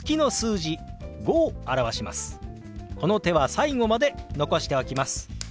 この手は最後まで残しておきます。